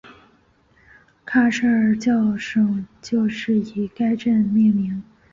卡舍尔教省就是以该镇命名。